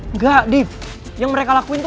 enggak deef yang mereka lakuin tuh